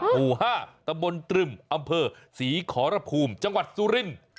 หมู่๕ตำบลตรึมอำเภอศรีขอรภูมิจังหวัดสุรินทร์